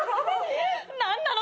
何なの？